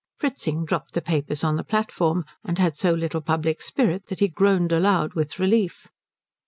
Fritzing dropped the papers on the platform, and had so little public spirit that he groaned aloud with relief.